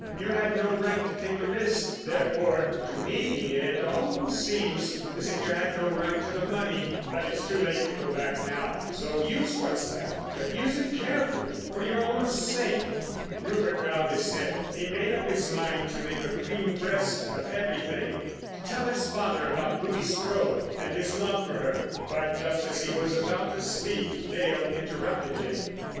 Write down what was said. You had no right to take the risk; therefore, to me it almost seems as if you had no right to the money. But it's too late to go back now, so use what's left, but use it carefully for your own sake." Rupert bowed his head. He made up his mind to make a clean breast of everything, to tell his father about Ruby Strode and his love for her. But just as he was about to speak Dale interrupted him.